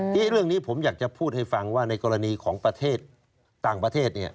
ทีนี้เรื่องนี้ผมอยากจะพูดให้ฟังว่าในกรณีของประเทศต่างประเทศ